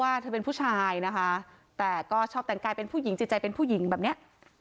เธอเป็นผู้ชายนะคะแต่ก็ชอบแต่งกายเป็นผู้หญิงจิตใจเป็นผู้หญิงแบบเนี้ย